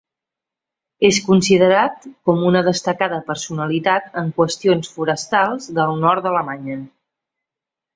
És considerat com una destacada personalitat en qüestions forestals del nord d'Alemanya.